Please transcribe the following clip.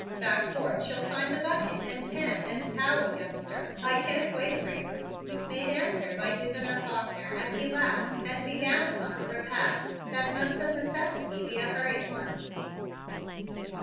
"Back porch, you'll find the bucket and pan and towel, youngster. I can't wait for you," made answer my Gouverneur Faulkner as he laughed and began upon the repast that must of necessity be a hurried one.